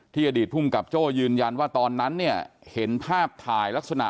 อดีตภูมิกับโจ้ยืนยันว่าตอนนั้นเนี่ยเห็นภาพถ่ายลักษณะ